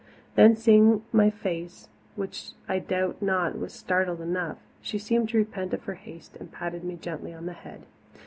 Then, seeing my face, which I doubt not was startled enough, she seemed to repent of her haste and patted me gently on the head.